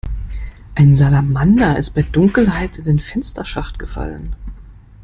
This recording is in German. Ein Salamander ist bei Dunkelheit in den Fensterschacht gefallen.